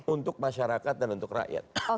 untuk masyarakat dan untuk rakyat